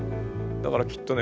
だからきっとね